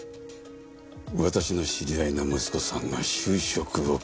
私の知り合いの息子さんが就職を希望していてな。